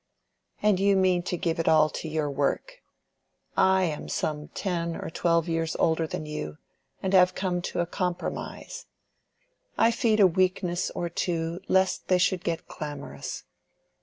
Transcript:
"And you mean to give it all to your work. I am some ten or twelve years older than you, and have come to a compromise. I feed a weakness or two lest they should get clamorous.